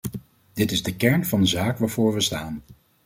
Dit is de kern van de zaak waarvoor we staan.